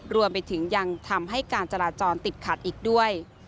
รวมไปถึงยังทำให้การจราจรติดขัดอีกด้วย